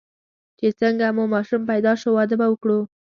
چې څنګه مو ماشوم پیدا شو، واده به وکړو.